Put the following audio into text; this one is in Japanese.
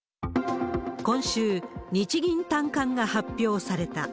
今週、日銀短観が発表された。